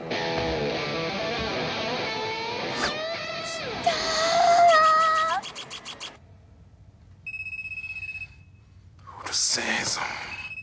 来た！うるせえぞ。